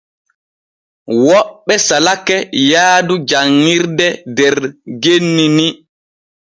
Woɓɓe salake yaadu janŋirde der genni ni.